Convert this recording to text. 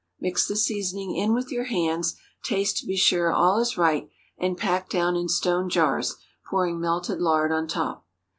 Mix the seasoning in with your hands, taste to be sure all is right, and pack down in stone jars, pouring melted lard on top.